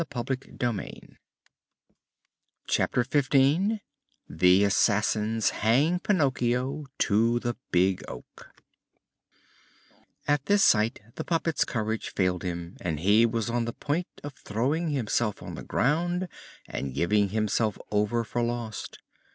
CHAPTER XV THE ASSASSINS HANG PINOCCHIO TO THE BIG OAK At this sight the puppet's courage failed him and he was on the point of throwing himself on the ground and giving himself over for lost.